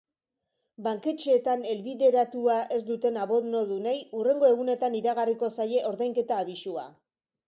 Banketxeetan helbideratua ez duten abonodunei hurrengo egunetan iragarriko zaie ordainketa abisua.